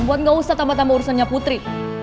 buat gak usah tambah tambah urusannya putri